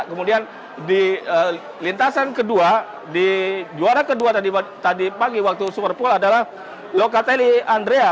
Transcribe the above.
kemudian di lintasan kedua di juara kedua tadi pagi waktu superpole adalah locatelli andrea